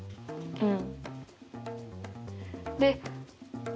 うん。